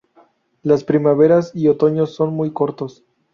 Las primaveras y otoños son muy cortos.